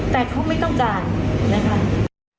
แต่เขาไม่ต้องการนะคะ